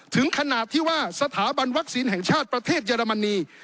ถึงขนาดที่ว่าสถาบันวัคซีนแห่งชาติประเทศเยอรมนี